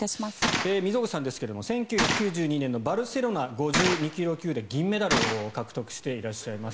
溝口さんですが１９９２年のバルセロナ５２ｋｇ級で銀メダルを獲得しています。